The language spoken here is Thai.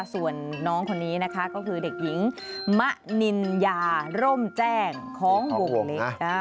ส่วนน้องคนนี้นะคะก็คือเด็กหญิงมะนินยาร่มแจ้งของวงเล็ก